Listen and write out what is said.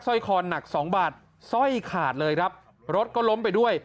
ร้อยคอหนักสองบาทสร้อยขาดเลยครับรถก็ล้มไปด้วย